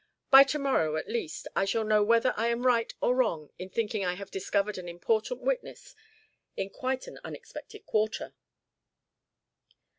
By to morrow, at least, I shall know whether I am right or wrong in thinking I have discovered an important witness in quite an unexpected quarter."